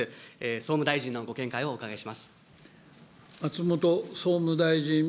総務大臣のご見解をお伺いします。